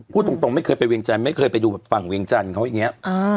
พูดตรงไม่เคยไปเวียงจันทร์ไม่เคยไปดูแบบฝั่งเวียงจันทร์เขาอย่างนี้